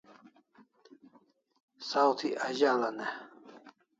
Saw thi azal'an e?